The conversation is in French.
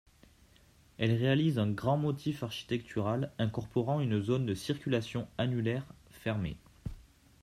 Elles réalisent un grand motif architectural incorporant une zone de circulation annulaire fermée.